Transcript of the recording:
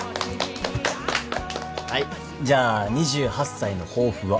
はいじゃあ２８歳の抱負は？